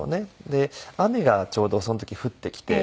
で雨がちょうどその時降ってきて。